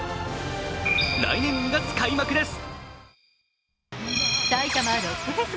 来年２月開幕です。